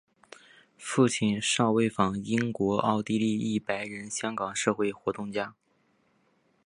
父亲邵维钫英国奥地利裔白人香港社会活动家。